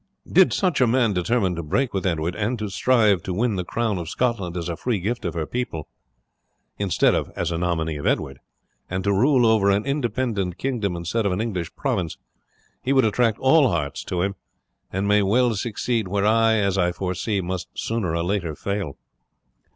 Did such a man determine to break with Edward, and to strive to win the crown of Scotland as a free gift of her people, instead of as a nominee of Edward, and to rule over an independent kingdom instead of an English province, he would attract all hearts to him, and may well succeed where I, as I foresee, must sooner or later fail."